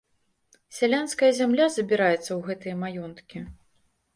Сялянская зямля забіраецца ў гэтыя маёнткі.